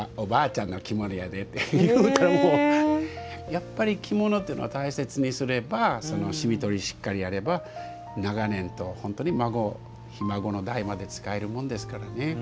やっぱり着物というのは大切にすれば染み取りしっかりやれば長年と本当に孫ひ孫の代まで使えるもんですからね。